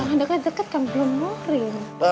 enggak dekat dekat kan belum moring